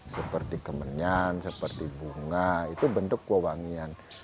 seperti kemenyan seperti bunga itu bentuk kewangian